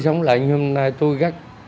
sống lại nhưng hôm nay tôi rất